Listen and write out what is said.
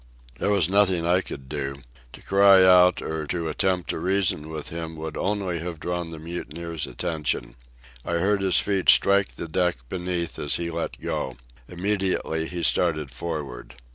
There was nothing I could do. To cry out or to attempt to reason with him would only have drawn the mutineers' attention. I heard his feet strike the deck beneath as he let go. Immediately he started for'ard.